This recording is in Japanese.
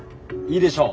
いいでしょ。